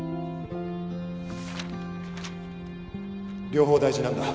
両方大事なんだ。